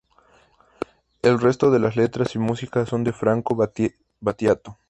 El resto de letras y música son de Franco Battiato.